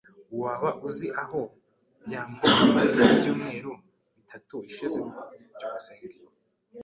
Waba uzi aho byambo amaze ibyumweru bitatu bishize? byukusenge